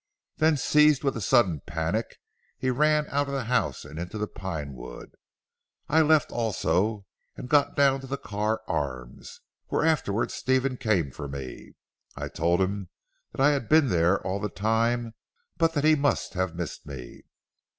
Then seized with a sudden panic, he ran out of the house and into the Pine wood. I left also, and got down to the Carr Arms, where afterwards Stephen came for me. I told him that I had 'been there all the time but that he must have missed me.